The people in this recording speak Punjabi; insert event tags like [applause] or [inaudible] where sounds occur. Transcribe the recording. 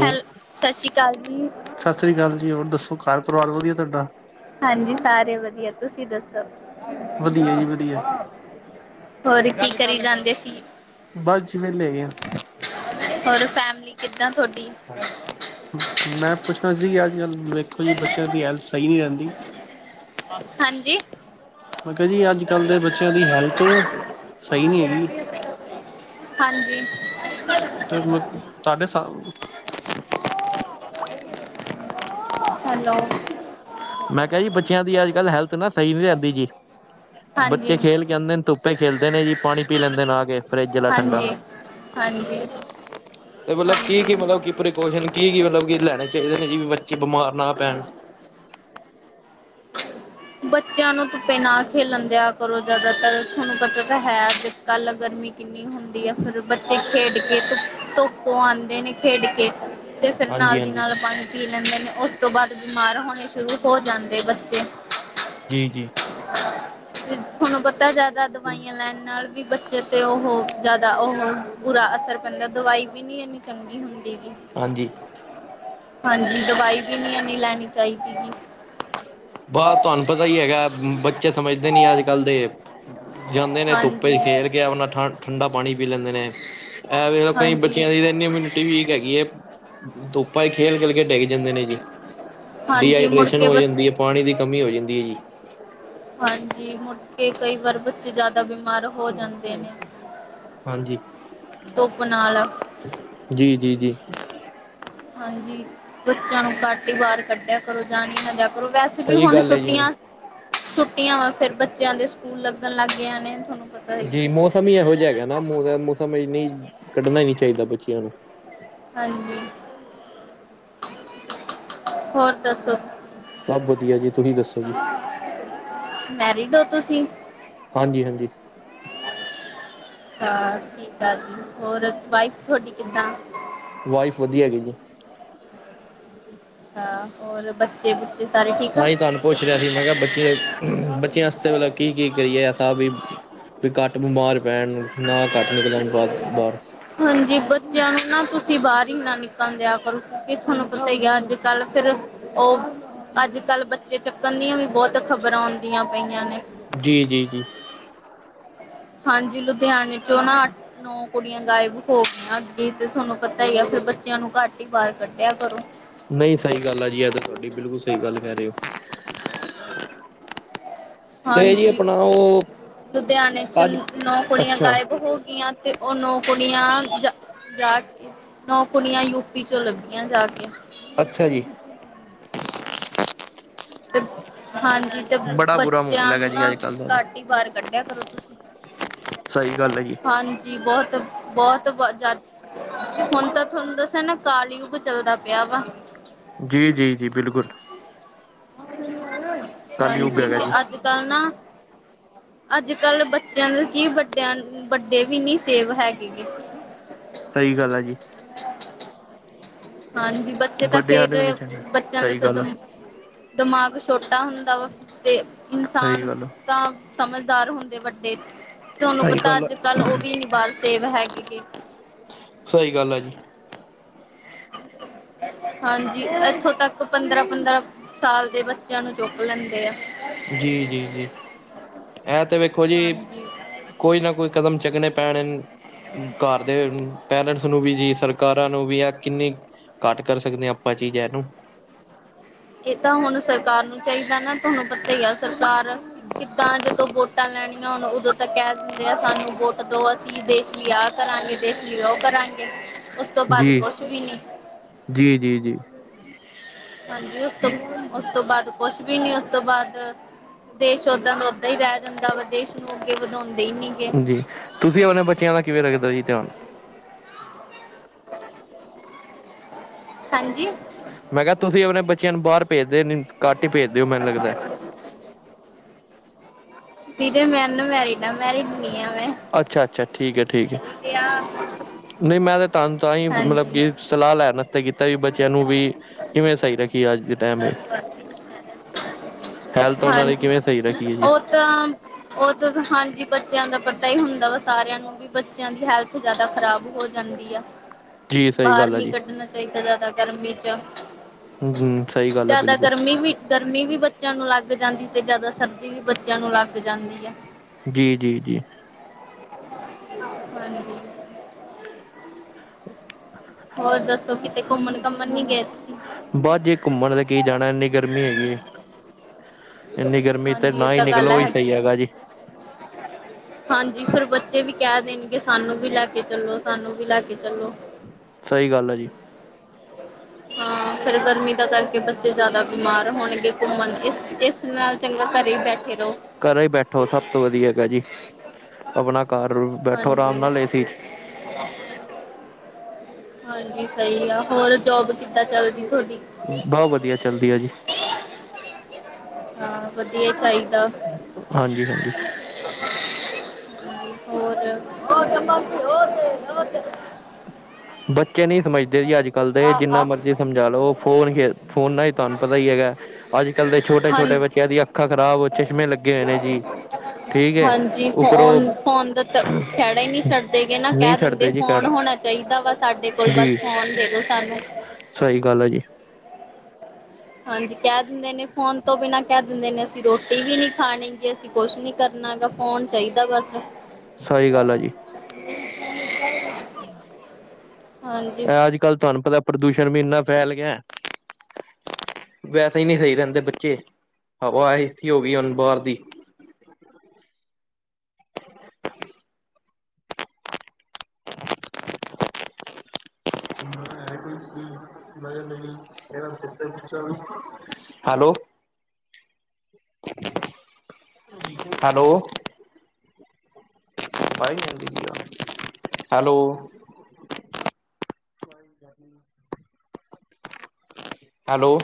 ਹੈਲ ਸਤਿ ਸ਼੍ਰੀ ਅਕਾਲ ਜੀ। ਸਤਿ ਸ਼੍ਰੀ ਅਕਾਲ ਜੀ, ਹੋਰ ਦੱਸੋ ਘਰਿ ਪਰਿਵਾਰ ਵਧੀਆ ਤੁਹਾਡਾ? ਹਾਂਜੀ, ਸਾਰੇ ਵਧੀਆ, ਤੁਸੀਂ ਦੱਸੋ? ਵਧੀਆ ਜੀ ਵਧੀਆ ਹੋਰ ਕੀ ਕਰੀ ਜਾਂਦੇ ਸੀ? ਬਸ ਜੀ ਵੇੇਲੇ ਹੈਗੇ ਆ। ਹੋਰ ਫੈਮਲੀ ਕਿੱਦਾਂ ਤੁਹਾਡੀ? ਮੈਂ ਪੁੱਛਣਾ ਸੀ ਕਿ ਅੱਜ ਕੱਲ੍ਹ ਦੇੇਖੋ ਜੀ ਬੱਚਿਆਂ ਦੀ ਹੈਲਥ ਸਹੀ ਨਹੀਂ ਰਹਿੰਦੀ। ਹਾਂਜੀ? ਮੈਂ ਕਿਹਾ ਜੀ ਅੱਜ ਕੱਲ ਦੇ ਬੱਚਿਆਂ ਦੀ ਹੈਲਥ ਸਹੀ ਨੀ ਹੈਗੀ। ਹਾਂਜੀ। [unintelligible] ਹੈਲੋ? ਮੈਂ ਕਿਹਾ ਜੀ, ਬੱਚਿਆਂ ਦੀ ਅੱਜ ਕੱਲ੍ਹ ਹੈਲਥ ਨਾ ਸਹੀ ਨੀ ਰਹਿੰਦੀ ਜੀ। ਬੱਚੇ ਹਾਂਜੀ ਖੇਲ ਕੇ ਆਉਂਦੇ ਨੇ, ਧੁੱਪੇ ਖੇਲਦੇ ਨੇ ਜੀ, ਪਾਣੀ ਪੀ ਲੈਂਦੇ ਨੇ ਆ ਕੇ ਫਰਿੱਜ ਆਲਾ ਠੰਡਾ। ਹਾਂਜੀ ਹਾਂਜੀ ਤੇ ਮਤਲਬ ਹਾਂਜੀ ਕੀ-ਕੀ ਮਤਲਬ ਕੀ ਪ੍ਰ ਕੋਜਨ ਕੀ ਕੀ ਮਤਲਬ ਕਿ ਲੈਣੇ ਚਾਹੀਦੇ ਨੇ ਜੀ ਵੀ ਬੱਚੇ ਬਿਮਾਰ ਨਾ ਪੈਣ? ਬੱਚਿਆਂ ਨੂੰ ਧੁੱਪੇ ਨਾ ਖੇਲਣ ਦਿਆਂ ਕਰੋ ਜ਼ਿਆਦਾਤਰ ਤੁਹਾਨੂੰ ਪਤਾ ਤਾਂ ਹੈ ਜ ਕੱਲ ਗਰਮੀ ਕਿ ਨੀ ਹੁੰਦੀ ਆ, ਫਿਰ ਬੱਚੇ ਖੇਡ ਕੇ ਧੁਪੋ ਆਉਂਦੇ ਨੇ ਖੇਡ ਕੇ। ਤੇ ਫੇਰ ਨਾਲ ਹਾਂਜੀ ਦੀ ਹਾਂਜੀ ਨਾਲ ਪਾਣੀ ਪੀ ਲੈਂਦੇ ਨੇ, ਉਸ ਤੋਂ ਬਾਅਦ ਬਿਮਾਰ ਹੋਣੇ ਸ਼ੁਰੂ ਹੋ ਜਾਂਦੇ ਬੱਚੇ। ਜੀ ਜੀ। ਤੇ ਤੁਹਨੂੰ ਪਤਾ ਜ਼ਿਆਦਾ ਦਵਾਈਆਂ ਲੈਣ ਨਾਲ ਵੀ ਬੱਚੇ ਤੇ ਉਹ ਜ਼ਿਆਦਾ ਉਹ ਬੁਰਾ ਅਸਰ ਪੈਂਦਾ ਦਵਾਈ ਵੀ ਨੀ ਇੰਨੀ ਚੰਗੀ ਹੁੰਦੀ ਗ। ਹਾਂਜੀ। ਹਾਂਜੀ ਦਵਾਈ ਵੀ ਨਹੀਂ ਏਨੀ ਲੈਣੀ ਚਾਹੀਦੀ। ਬਸ ਤੁਹਾਨੂੰ ਪਤਾ ਹੀ ਹੈਗਾ, ਬੱਚੇ ਸਮਝਦੇ ਨੀ ਅੱਜ ਕੱਲ੍ਹ ਦੇ। ਜਾਂਦੇ ਨੇ ਹਾਂਜੀ ਧੁੱਪੇ ਚ ਖੇਡ ਕੇ ਆਪਣਾ ਠ ਠੰਢਾ ਪਾਣੀ ਪੀ ਲੈਂਦੇ ਨੇ। ਇਹ ਵੇਖੋ ਕਈ ਹਾਂਜੀ ਬੱਚਿਆਂ ਦੀ ਤਾਂ ਇਨੀ ਇਮਿਊਨਿਟੀ ਵੀਕ ਹੈਗੀ ਏ ਧੁੱਪਾਂ ਚ ਖੇਲ-ਖੇਲ ਕੇ ਡਿੱਗ ਜਾਂਦੇ ਨੇ ਜੀ। ਹਾਂਜੀ ਮੁੜ ਡੀਹਾਈਡ੍ਰੇਸ਼ਨ ਕੇ ਹੋ ਬ ਜਾਂਦੀ ਹੈ, ਪਾਣੀ ਦੀ ਕਮੀ ਹੋ ਜਾਂਦੀ ਹੈ ਜੀ। ਹਾਂਜੀ ਮੁੜਕੇ ਕਈ ਵਾਰ ਬੱਚੇ ਜ਼ਿਆਦਾ ਬਿਮਾਰ ਹੋ ਜਾਂਦੇ ਨੇ, ਹਾਂਜੀ ਧੁੱਪ ਨਾਲ। ਜੀ ਜੀ ਜੀ। ਹਾਂਜੀ, ਬੱਚਿਆਂ ਨੂੰ ਘੱਟ ਹੀ ਬਾਹਰ ਕੱਢਿਆ ਕਰੋ ਜਾਣ ਹੀ ਨਾਂ ਦਿਆ ਕਰੋ, ਵੈਸੇ ਵੀ ਸਹੀ ਹੁਣ ਗੱਲ ਹੈ ਜੀ ਛੁੱਟੀਆਂ ਛੁੱਟੀਆਂ ਵਾ ਫੇਰ ਬੱਚਿਆਂ ਦੇ ਸਕੂਲ ਲੱਗਣ ਲੱਗ ਗ ਨੇ ਤੁਹਾਨੂੰ ਪਤਾ। ਹੀ ਜੀ ਮੌਸਮ ਈ ਇਹੋ ਜਿਹਾ ਹੈਗਾ ਨਾ ਮੌਸਮ ਇਹ ਨਹੀਂ ਕੱਢਣਾ ਹੀ ਨੀ ਚਾਹੀਦਾ ਬੱਚਿਆਂ ਨੂੰ। ਹਾਂਜੀ, ਹੋਰ ਦੱਸੋ। ਸਭ ਵਧੀਆ ਜੀ, ਤੁਹੀਂ ਦੱਸੋ। ਜੀ, ਮੈਰਿਡ ਹੋ ਤੁਸੀਂ ਹਾਂਜੀ-ਹਾਂਜੀ। ਅੱਛਾ, ਠੀਕ ਆ ਜੀ, ਹੋਰ ਵਾਈਫ ਤੁਹਾਡੀ ਕਿੱਦਾਂ? ਵਾਈਫ ਵਧੀਆ ਹੈਗੀ ਜੀ। ਅੱਛਾ, ਹੋਰ ਬ ਬੱਚੇ ਬੁੱਚੇ ਸਾਰੇ ਠੀਕ? ਆ ਤਾਂ ਹੀ ਤੁਹਾਨੂੰ ਪੁੱਛ ਰਿਹਾ ਸੀ ਮੈਂ ਕਿਹਾ ਬੱਚੇ ਬੱਚਿਆ ਵਾਸਤੇ ਮਤਲਬ ਕੀ ਕੀ ਕਰੀਏ ਐਸਾ ਵੀ ਵੀ ਘੱਟ ਬਿਮਾਰ ਪੈਣ, ਨਾ ਘੱਟ ਨਿਕਲਣ ਬਾਹ ਬਾਹਰ। ਹਾਂਜੀ ਬੱਚਿਆਂ ਨੂੰ ਨਾ ਤੁਸੀਂ ਬਾਹਰ ਹੀ ਨਾ ਨਿਕਲਣ ਦਿਆ ਕਰੋ ਕਿਉਂਕਿ ਥੋਨੂੰ ਪਤਾ ਹੀ ਆ ਅੱਜ-ਕੱਲ ਫਿਰ ਉਹ ਅੱਜ ਕੱਲ੍ਹ ਬੱਚੇ ਚੱਕਣ ਦੀਆਂ ਵੀ ਬਹੁਤ ਖ਼ਬਰਾਂ ਆਉਂਦੀਆਂ ਪਈਆਂ ਨੇ। ਜੀ ਜੀ ਜੀ। ਹਾਂਜੀ ਲੁਧਿਆਣੇ ਚੋ ਨਾ ਨੌ ਕੁੜੀਆ ਗਾਇਬ ਹੋ ਗਈਆ ਅੱਗੇ ਤੇ ਤੁਹਾਨੂੰ ਪਤਾ ਹੀ ਆ ਫੇਰ ਬੱਚਿਆ ਨੂੰ ਘੱਟ ਹੀ ਬਾਹਰ ਕੱਢਿਆ ਕਰੋ। ਨਹੀ ਸਹੀ ਗੱਲ ਆ ਜੀ ਇਹ ਤਾ ਤੁਹਾਡੀ ਬਿਲਕੁਲ ਸਹੀ ਗੱਲ ਕਹਿ ਰਹੇ ਹੋ। ਤੇ ਜੀ ਹਾਂਜੀ ਆਪਣਾ ਉਹ ਲੁਧਿਆਣੇ ਚ ਅੱਜ ਨੌ ਕੁੜੀਆਂ ਅੱਛਾ ਗਾਇਬ ਹੋ ਤੇ ਉਹ ਨੌ ਕੁੜੀਆਂ ਜਾ ਨੌ ਕੁੜੀਆ ਯੂਪੀ ਚੋਂ ਲੱਭੀਆ ਜਾ ਕੇ। ਅੱਛਾ ਜੀ। ਹਾਂਜੀ ਤੇ ਬੜਾ ਬੁਰਾ ਮਾਹੌਲ ਬੱਚਿਆਂ ਹੈਗਾ ਨੂੰ ਜੀ ਨਾ ਅੱਜ ਕੱਲ੍ਹ ਦਾ ਤੇ ਘੱਟ ਹੀ ਬਾਹਰ ਕੱਢਿਆ ਕਰੋ ਤੁਸੀਂ। ਸਹੀ ਗੱਲ ਹੈ ਜੀ। ਜੀ ਬੋਹਤ-ਬੋਹਤ ਬ ਹੁਣ ਤਾ ਤੁਹਾਨੂੰ ਦਸਾ ਨਾ ਕਾਲਯੁਗ ਚੱਲਦਾ ਪਿਆ ਵਾ। ਜੀ-ਜੀ, ਜੀ ਬਿਲਕੁਲ। ਕਲਯੁੱਗ ਹਾਂਜੀ ਹੈਗਾ ਤੇ ਜੀ ਅੱਜ ਕੱਲ ਨਾ ਅੱਜ ਕੱਲ ਬੱਚਿਆ ਨੂੰ ਕੀ ਵੱਡਿਆ ਵੱਡੇ ਵੀ ਨੀ ਸੇਵ ਹੈਗੇ। ਸਹੀ ਗੱਲ ਆ ਜੀ। ਹਾਂਜੀ ਬੱਚੇ ਤਾਂ ਵੱਡਿਆਂ ਫੇਰ ਨੂੰ ਵੀ ਨਹੀਂ ਛੱਡਣਾ ਬੱਚਿਆਂ ਸਹੀ ਦਾ ਗੱਲ ਦ ਆ ਦਿਮਾਗ ਛੋਟਾ ਹੁੰਦਾ ਵਾ ਤੇ ਸਹੀ ਇਨਸਾਨ ਗੱਲ ਆ ਤਾ ਸਮਝਦਾਰ ਹੁੰਦੇ ਵੱਡੇ ਤੁਹਾਨੂੰ ਸਹੀ ਪਤਾ ਗੱਲ ਆ ਅੱਜ ਕੱਲ ਉਹ ਵੀ ਨਿ ਬਾਰ ਸੇਵ ਹੈਗੇ ਗੇ। ਸਹੀ ਗੱਲ ਆ ਜੀ। ਹਾਂਜੀ ਇੱਥੋਂ ਤੱਕ ਪੰਦਰਾ-ਪੰਦਰਾ ਸਾਲ ਦੇ ਬੱਚਿਆ ਨੂੰ ਚੁੱਕ ਲੈਂਦੇ ਆ। ਜੀ-ਜੀ, ਜੀ ਇਹ ਤੇ ਵੇਖੋ ਜੀ ਹਾਂਜੀ ਕੋਈ ਨਾ ਕੋਈ ਕਦਮ ਚੱਕਣੇ ਪੈਣੇ। ਘਰ ਦੇ ਪੇਰੈਂਟਸ ਨੂੰ ਵੀ ਜੀ ਸਰਕਾਰਾ ਨੂੰ ਵੀ ਆ ਕਿੰਨੀ ਘੱਟ ਕਰ ਸਕਦੇ ਹਾ ਆਪਾ ਜੀ ਜੇ ਇਹਨੂੰ। ਇਹ ਤਾ ਹੁਣ ਸਰਕਾਰ ਨੂੰ ਚਾਹੀਦਾ ਨਾ ਤੁਹਾਨੂੰ ਪਤਾ ਹੀ ਆ ਸਰਕਾਰ ਕਿੱਦਾ ਜਦੋ ਵੋਟ ਟਾਂ ਲੈਣੀਆ ਹੋਣ ਉਦੋ ਤ ਕਹਿ ਦਿੰਦੇ ਆ ਸਾਨੂੰ ਵੋਟ ਦਉ ਅਸੀ ਦੇਸ਼ ਲਈ ਆਹ ਕਰਾਂਗੇ ਦੇਸ਼ ਲਈ ਉਹ ਕਰਾ ਉਸ ਤੋਂ ਬਾਅਦ ਜੀ ਕੁਛ ਵੀ ਨੀ ਜੀ ਜੀ ਜੀ ਹਾਂਜੀ। ਉਸ ਤੋਂ ਬਾਅਦ ਕੁਛ ਵੀ ਨੀ ਉਸ ਤੋਂ ਬਾਦ ਦੇਸ਼ ਓਦਾ ਦਾ ਓਦਾ ਹੀ ਰਹਿ ਜਾਂਦਾ ਵਾ ਦੇਸ਼ ਨੂੰ ਅੱਗੇ ਵਧਾਉਂਦੇ ਹੀ ਨੀ। ਗੇ ਜੀ ਤੁਸੀ ਆਪਣੇ ਬੱਚਿਆ ਦਾ ਕਿਵੇਂ ਰੱਖਦੇ ਜੀ ਧਿਆਨ। ਹਾਂਜੀ। ਮੈਂ ਕਿਹਾ ਤੁਸੀ ਆਪਣੇ ਬੱਚਿਆ ਨੂੰ ਬਾਰ ਭੇਜਦੇ ਨੀ ਘੱਟ ਹੀ ਭੇਜਦੇ ਓ ਮੈਨੂੰ ਲੱਗਦਾ। ਵੀਰੇ ਮੈਂ ਅਨ ਮੈਰਿਡ ਆ ਮੈਰਿਡ ਨੀ ਆ ਮੈਂ। ਅੱਛਾ-ਅੱਛਾ ਠੀਕ ਹੈ। [unintelligible] ਨਹੀ ਮੈਂ ਤੇ ਤੁਹਾਨੂੰ ਤਾ ਹੀ ਮਤਲਬ ਹਾਂਜੀ ਕਿ ਸਲਾਹ ਲੈਣ ਆਸਰੇ ਕੀਤਾ ਸੀ ਬੱਚਿਆ ਨੂੰ ਵੀ ਕਿਵੇ ਸਹੀ ਰੱਖੀਏ ਅੱਜ ਦੇ ਟੈਮ ਏ। ਹੈਲਥ ਉਹਨਾ ਨੇ ਕਿਵੇਂ ਸਹੀ ਰੱਖੀਐ ਜੀ। ਤਾ ਉਹਦ ਹਾਂਜੀ ਬੱਚਿਆ ਦਾ ਪੱਤਾ ਹੀ ਹੁੰਦਾ ਵਾ ਸਾਰਿਆ ਨੂੰ। ਵੀ ਬੱਚਿਆ ਦੀ ਹੈਲਥ ਜਿਆਦਾ ਖ਼ਰਾਬ ਹੋ ਜਾਂਦੀ ਆ। ਜੀ ਸਹੀ ਬਾਰ ਗੱਲ ਹੈ ਨੀ ਜੀ ਕੱਢਣਾ ਚਾਹੀਦਾ ਜਾਦਾ ਗਰਮੀ ਚ। ਹਮ ਸਹੀ ਗੱਲ ਹੈ ਜਾਦਾ ਬਿਲਕੁਲ ਗਰਮੀ ਵੀ ਗਰਮੀ ਵੀ ਬੱਚਿਆ ਨੂੰ ਲੱਗ ਜਾਂਦੀ ਤੇ ਜਾਦਾ ਸਰਦੀ ਵੀ ਬੱਚਿਆ ਨੂੰ ਲੱਗ ਜਾਂਦੀ ਹੈ। ਜੀ-ਜੀ, ਜੀ। ਹਾਂਜੀ ਹੋਰ ਦੱਸੋ ਕਿਤੇ ਘੁੰਮਣ-ਘਾਮਣ ਨੀ ਗਏ ਤੁਸੀ। ਬਸ ਜੀ ਘੁੰਮਣ ਤੇ ਕੀ ਜਾਣਾ ਇੰਨੀ ਗਰਮੀ ਹੈਗੀ ਏ। ਇੰਨੀ ਗਰਮੀ ਤੇ ਨਾ ਹੀ ਨਿਕਲੋ ਹੀ ਸਹੀ ਹੈਗਾ ਜੀ। ਹ [unintelligible] ਹਾਂਜੀ, ਫਿਰ ਬੱਚੇ ਵੀ ਕਹਿ ਦੇਣਗੇ ਸਾਨੂੰ ਵੀ ਲੈ ਕੇ ਚੱਲੋ ਸਾਨੂੰ ਵੀ ਲੈ ਕੇ ਚੱਲੋ। ਸਹੀ ਗੱਲ ਆ ਜੀ। ਹਾਂ ਫੇਰ ਗਰਮੀ ਦਾ ਕਰਕੇ ਬੱਚੇ ਜ਼ਿਆਦਾ ਬਿਮਾਰ ਹੋਣਗੇ ਘੁੰਮਣ ਇਸ ਇਸ ਸ ਨਾਲ ਚੰਗਾ ਘਰੇ ਬੈਠੇ ਰਹੋ। ਘਰੇ ਹੀ ਬੈਠੋ ਸਭ ਤੋਂ ਵਧੀਆ ਹੈਗਾ ਜੀ ਆਪਣਾ ਘਰ ਬੈਠੋ ਆਰਾਮ ਨਾਲ ਏ ਸੀ ਚ ਆ [unintelligible] ਹਾਂਜੀ, ਸਹੀ ਆ ਹੋਰ ਜੋਬ ਕਿੱਦਾਂ ਚੱਲਦੀ ਤੁਹਾਡੀ। ਬਹੁਤ ਵਧੀਆ ਚੱਲਦੀ ਇਹ ਜੀ। ਹਾਂ ਵਧੀਆ ਚਾਹੀਦਾ। ਹਾਂਜੀ, ਹਾਂਜੀ, ਹੋਰ ਹੋਰ ਬਾ ਹੋਰ ਹੋ [unintelligible] ਬੱਚੇ ਨਹੀਂ ਸਮਝਦੇ ਦੇ ਅੱਜ ਕੱਲ੍ਹ ਦੇ ਹਾਂ ਜਿੰਨਾ ਹਾਂ ਮਰਜ਼ੀ ਸਮਝਾ ਲਓ ਫੋਨ ਖੇ ਫੋਨਾ ਨਾਲ ਹੀ ਤੁਹਾਨੂੰ ਪਤਾ ਹੀ ਹੈਗਾ। ਅੱਜ ਕੱਲ੍ਹ ਦੇ ਛੋਟੇ ਛੋਟੇ ਬੱਚਿਆਂ ਦੀਆਂ ਅੱਖਾਂ ਖ਼ਰਾਬ ੳ ਚਸ਼ਮੇ ਲੱਗੇ ਹੋਏ ਨੇ ਜੀ। ਠੀਕ ਏ ਹਾਂਜੀ ਉੱਪਰੋਂ ਫੋਨ ਫੋਨ ਦਾ ਤਾਂ ਖਹਿੜਾ ਹੀ ਨਹੀਂ ਨੀ ਛੱਡਦੇ ਜੀ ਖੈੜਾ। ਦਵਾ ਸਾਡੇ ਕੋਲ ਬਸ ਫੋਨ ਦੇ ਦਿਉ ਸਾਨੂੰ। ਸਈ ਗੱਲ ਆ ਜੀ। ਹਾਂਜੀ ਕਹਿ ਦਿੰਦੇ ਨੇ ਫੋਨ ਤੋਂ ਬਿਨਾਂ ਕਹਿ ਦਿੰਦੇ ਨੇ ਅਸੀਂ ਰੋਟੀ ਵੀ ਨਹੀ ਖਾਣੀ ਅਸੀ ਕੁਛ ਨੀ ਕਰ ਨਾ ਕ ਫੋਨ ਚਾਹੀਦਾ ਬਸ। ਸਹੀ ਗੱਲ ਹੈ ਜੀ ਹਾਂਜੀ ਇਹ ਅੱਜ ਕੱਲ ਤੁਹਾਨੂੰ ਪਤਾ ਪ੍ਰਦੂਸ਼ਣ ਵੀ ਇੰਨਾ ਫੈਲ ਗਿਆ। ਵੈਸੇ ਹੀ ਨਹੀਂ ਸਹੀ ਰਹਿੰਦੇ ਬੱਚੇ ਹਵਾ ਐਸੀ ਹੋ ਗਈ ਹੁਣ ਬਾਰ ਦੀ। ਹੈਲੋ। ਹੈਲੋ। ਹੈਲੋ। ਹੈਲੋ।